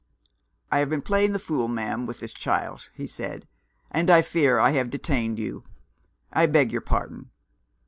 "I have been playing the fool, ma'am, with this child," he said; "and I fear I have detained you. I beg your pardon."